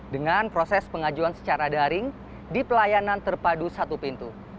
dengan proses pengajuan secara daring di pelayanan terpadu satu pintu